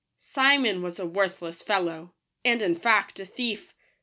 IMON was a worthless fellow, and in fact a thief.